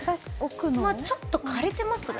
まぁ、ちょっと枯れてますね。